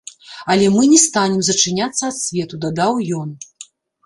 Але мы не станем зачыняцца ад свету, дадаў ён.